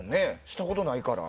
したことないから。